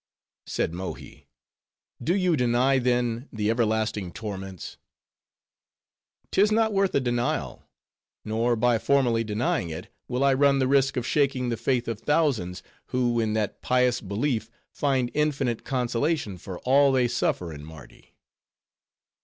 Said Mohi: "Do you deny, then, the everlasting torments?" "'Tis not worth a denial. Nor by formally denying it, will I run the risk of shaking the faith of, thousands, who in that pious belief find infinite consolation for all they suffer in Mardi."